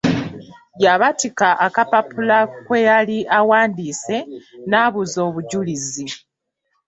Yabatika akapapula kwe yali awandiise n'abuza obujulizi.